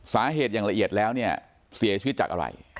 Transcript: สาเหตุอย่างละเอียดแล้วเนี่ยเสียชีวิตจากอะไร